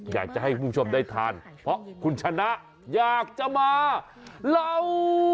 อยากจะให้คุณผู้ชมได้ทานเพราะคุณชนะอยากจะมาเล่า